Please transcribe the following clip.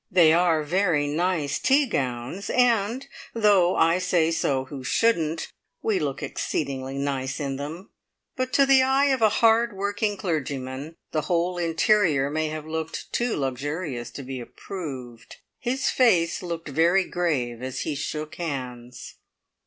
They are very nice tea gowns, and, though I say so who shouldn't, we look exceedingly nice in them, but to the eye of a hard working country clergyman the whole interior may have looked too luxurious to be approved! His face looked very grave as he shook hands.